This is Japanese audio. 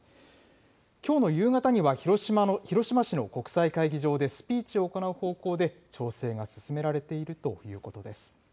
きょうの夕方には広島市の国際会議場でスピーチを行う方向で調整が進められているということです。